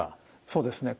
そうですね。